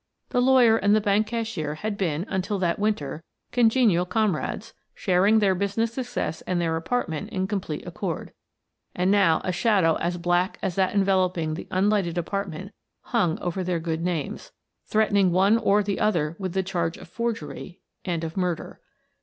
The lawyer and the bank cashier had been, until that winter, congenial comrades, sharing their business success and their apartment in complete accord; and now a shadow as black as that enveloping the unlighted apartment hung over their good names, threatening one or the other with the charge of forgery and of murder.